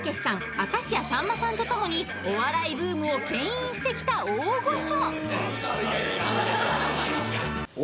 明石家さんまさんと共にお笑いブームをけん引してきた大御所！